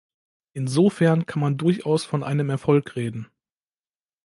Insofern kann man durchaus von einem Erfolg reden.